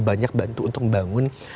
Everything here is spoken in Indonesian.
banyak bantu untuk membangun